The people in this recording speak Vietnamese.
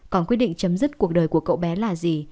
còn quyết định chấm dứt cuộc đời của cậu bé là gì